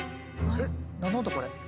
えっ何の音これ？